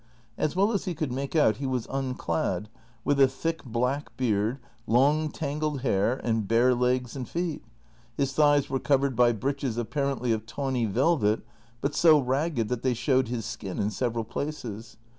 As well as he could make out he was unclad, with a thick black beard, long tangled hair, and bare legs and feet, his thighs were covered by breeches apparently of tawny velvet but so ragged that they showed his skin in several places.